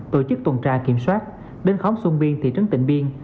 tổ chức tuần tra kiểm soát đến khóm xuân biên thị trấn tịnh biên